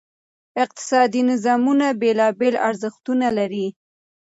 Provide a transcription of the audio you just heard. اقتصادي نظامونه بېلابېل ارزښتونه لري.